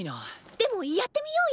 でもやってみようよ。